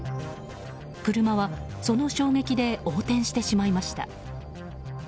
車はその衝撃で横転してしまいました。